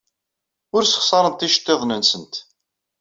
Ur ssexṣarent iceḍḍiḍen-nsent.